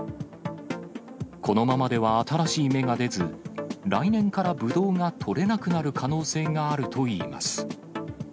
このままでは新しい芽が出ず、来年からぶどうが取れなくなる可能性があるといいます。